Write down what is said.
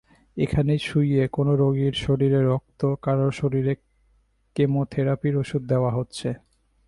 এখানেই শুইয়ে কোনো রোগীর শরীরে রক্ত, কারও শরীরে কেমোথেরাপির ওষুধ দেওয়া হচ্ছে।